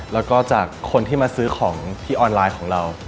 แล้วก็จากคนที่มาซื้อของที่ออนไลน์ของเรา